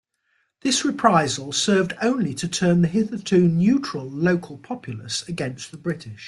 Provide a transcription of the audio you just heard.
This reprisal served only to turn the hitherto neutral local populace against the British.